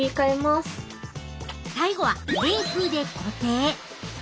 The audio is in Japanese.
最後は冷風で固定。